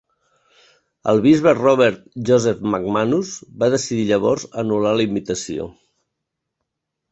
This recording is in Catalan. El bisbe Robert Joseph McManus va decidir llavors anul·lar la invitació.